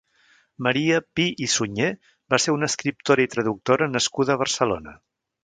Maria Pi i Sunyer va ser una escriptora i traductora nascuda a Barcelona.